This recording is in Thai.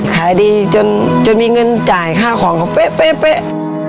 ขายดีจนมีเงินจ่ายค่าของเขาเป๊ะ